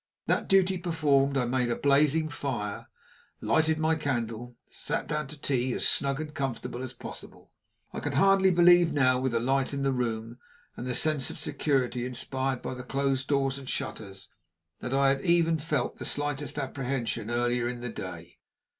That duty performed, I made a blazing fire, lighted my candle, and sat down to tea, as snug and comfortable as possible. I could hardly believe now, with the light in the room, and the sense of security inspired by the closed doors and shutters, that I had ever felt even the slightest apprehension earlier in the day.